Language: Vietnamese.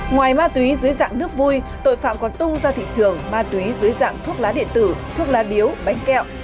ngoài ma túy dưới dạng nước vui tội phạm còn tung ra thị trường ma túy dưới dạng thuốc lá điện tử thuốc lá điếu bánh kẹo